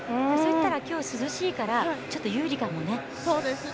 今日、涼しいからちょっと有利かもね。